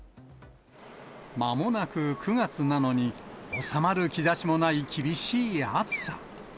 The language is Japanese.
まもなく９月なのに、収まる兆しもない厳しい暑さ。